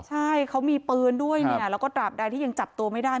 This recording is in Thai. ใช่เขามีปืนด้วยเนี่ยแล้วก็ตราบใดที่ยังจับตัวไม่ได้